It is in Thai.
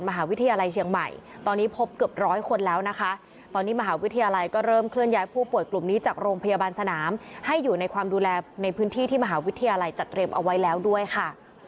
มหาวิทยาลัยเชียงใหม่ตอนนี้พบเกือบร้อยคนแล้วนะคะตอนนี้มหาวิทยาลัยก็เริ่มเคลื่อนย้ายผู้ป่วยกลุ่มนี้จากโรงพยาบาลสนามให้อยู่ในความดูแลในพื้นที่ที่มหาวิทยาลัยจัดเตรียมเอาไว้แล้วด้วยค่ะ